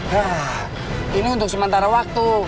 nah ini untuk sementara waktu